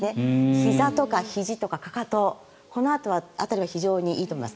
ひざとかひじとかかかとこの辺りは非常にいいと思います。